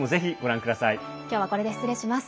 今日は、これで失礼します。